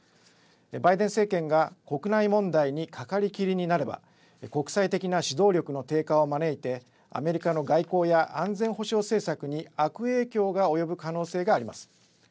バイデン政権が国内問題にかかりきりになれば国際的な指導力の低下を招いてアメリカの外交や安全保障政策に悪影響が及ぶ可能性があります。